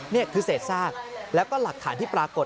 นี่คือเศษซากแล้วก็หลักฐานที่ปรากฏ